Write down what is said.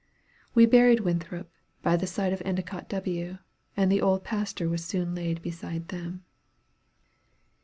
We buried Winthrop by the side of Endicott W., and the old pastor was soon laid beside them.